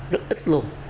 rất ít luôn